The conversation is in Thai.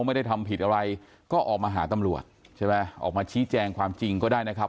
ไม่ได้ทำผิดอะไรก็ออกมาหาตำรวจใช่ไหมออกมาชี้แจงความจริงก็ได้นะครับ